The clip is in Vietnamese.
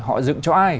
họ dựng cho ai